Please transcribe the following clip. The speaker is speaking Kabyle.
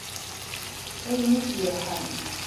Ayen it-yerḥan.